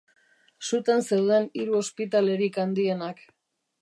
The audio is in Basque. Sutan zeuden hiru ospitalerik handienak.